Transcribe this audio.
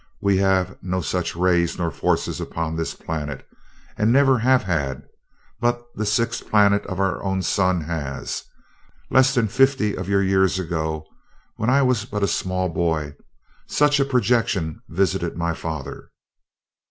We have no such rays nor forces upon this planet, and never have had; but the sixth planet of our own sun has. Less than fifty of your years ago, when I was but a small boy, such a projection visited my father.